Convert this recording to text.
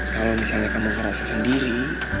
kalau misalnya kamu ngerasa sendiri